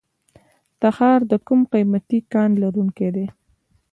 تخار د کوم قیمتي کان لرونکی دی؟